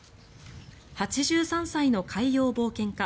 ８３歳の海洋冒険家